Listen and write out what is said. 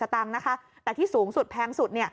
แต่ที่สูงสุดแพงสุด